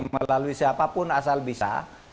melalui siapapun asal bisa